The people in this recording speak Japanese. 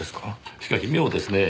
しかし妙ですねぇ。